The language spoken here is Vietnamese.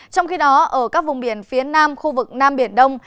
trong khi đó ở các vùng biển phía nam khu vực nam biển đông